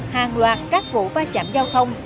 hàng loạt các vụ va chạm giao thông